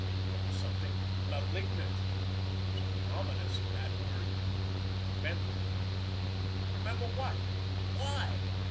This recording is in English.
_" There was something malignant, something ominous in that word—"remember." Remember what? Why?